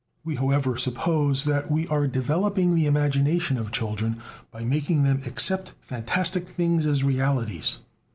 We, however, suppose that we are developing the imagination of children by making them accept fantastic things as realities.